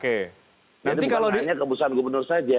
ini bukan hanya keputusan gubernur saja